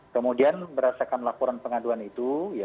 kemudian berdasarkan laporan pengaduan itu